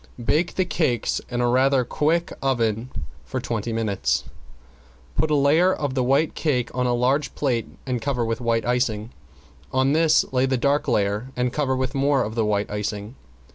Bake the cakes in a rather quick oven for twenty minutes. Put a layer of the white cake on a large plate and cover with white icing, on this lay a dark layer and cover with more of the white icing.